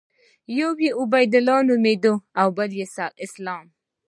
يو يې عبدالله نومېده بل يې اسلام.